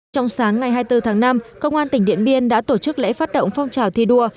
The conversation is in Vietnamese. trong sáng ngày hai mươi bốn tháng năm công an tỉnh điện biên đã tổ chức lễ phát động phong trào thi đua